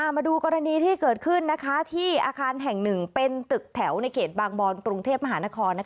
มาดูกรณีที่เกิดขึ้นที่อาคารแห่งหนึ่งเป็นตึกแถวในเขตบางบอนกรุงเทพมหานคร